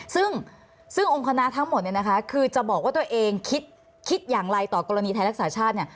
ซึ่งองค์คณะทั้งหมดเนี่ยนะคะคือจะบอกว่าตัวเองคิดอย่างไรต่อกรณีไทยรักษาชาติเนี่ย